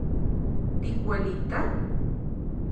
¿Tikuelita?